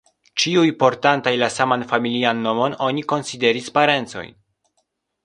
Ĉiuj, portantaj la saman familian nomon, oni konsideris parencoj.